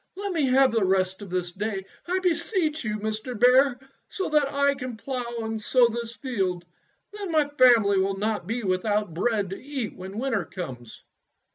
Let me have the rest of this day, I beseech you, Mr. Bear, so that I can plough and sow this field. Then my family will not be without bread to eat when winter comes."